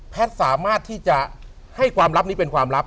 สามารถที่จะให้ความลับนี้เป็นความลับ